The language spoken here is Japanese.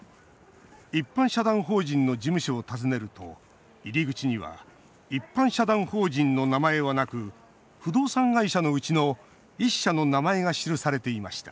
一般社団法人の事務所を訪ねると入り口には一般社団法人の名前はなく不動産会社のうちの１社の名前が記されていました